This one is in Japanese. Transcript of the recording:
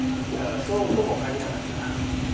いやそうとも限らないかな。